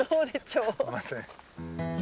すいません。